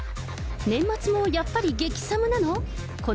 年末もやっぱり激寒なの？